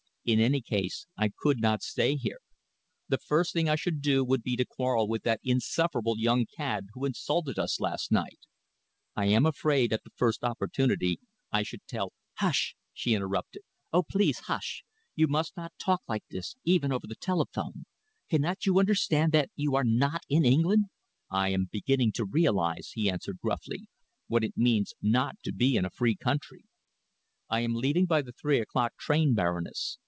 In any case, I could not stay here. The first thing I should do would be to quarrel with that insufferable young cad who insulted us last night. I am afraid, at the first opportunity, I should tell " "Hush!" she interrupted. "Oh, please hush! You must not talk like this, even over the telephone. Cannot you understand that you are not in England?" "I am beginning to realise," he answered gruffly, "what it means not to be in a free country. I am leaving by the three o'clock train, Baroness.